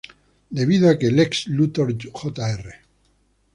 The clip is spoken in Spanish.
Debido a que Lex Luthor Jr.